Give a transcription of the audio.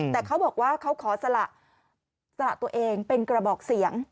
แต่เขาบอกว่าเขาขอสละตัวเองเป็นกระบอกเสียง